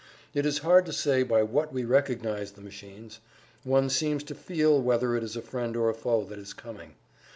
It is hard to say by what we recognized the machines. One seems to feel whether it is a friend or a foe that is coming.